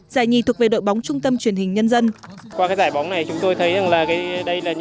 giải nhì thuộc về đội bóng trung tâm truyền hình nhân dân